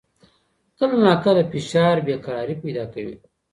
کله ناکله فشار بې قراري پیدا کوي.